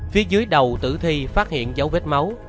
phía dưới đầu tử thi phát hiện dấu vết máu